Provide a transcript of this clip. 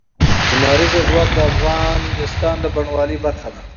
لمریز ځواک د افغانستان د بڼوالۍ برخه ده.